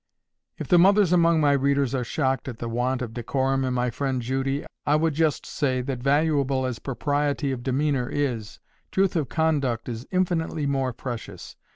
If the mothers among my readers are shocked at the want of decorum in my friend Judy, I would just say, that valuable as propriety of demeanour is, truth of conduct is infinitely more precious.